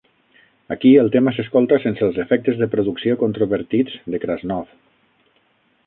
Aquí, el tema s'escolta sense els efectes de producció controvertits de Krasnow.